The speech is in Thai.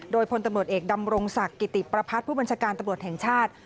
โดยพลตำรวจเอกดำรงศักดิ์กิติประพัฒน์ผู้บัญชาการตำรวจแห่งชาติ